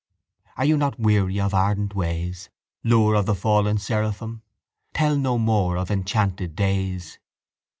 Are you not weary of ardent ways, Lure of the fallen seraphim? Tell no more of enchanted days.